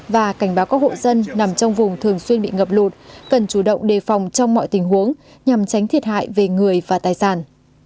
và cảnh báo các hộ dân nằm trong vùng thường xuyên bị ngập lụt cần chủ động đề phòng trong mọi tình huống nhằm tránh thiệt hại về người và tài sản